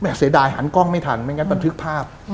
เสียดายหันกล้องไม่ทันไม่งั้นบันทึกภาพ